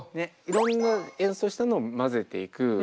いろんな演奏したのを混ぜていく。